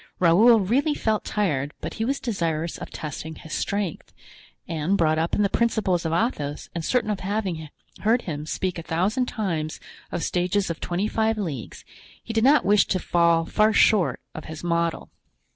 Raoul really felt tired, but he was desirous of testing his strength, and, brought up in the principles of Athos and certain of having heard him speak a thousand times of stages of twenty five leagues, he did not wish to fall far short of his model.